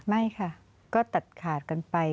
ไม่ค่ะก็ตัดขาดกันไป